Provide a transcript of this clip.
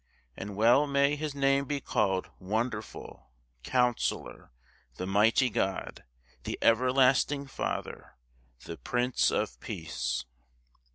And well may His name be called, "Wonderful, Counsellor, the Mighty God, the Everlasting Father, the Prince of Peace!"